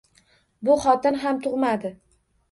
Bu xotin ham tug‘madi